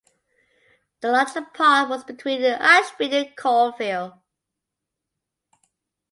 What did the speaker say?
The larger part was between Ashby and Coalville.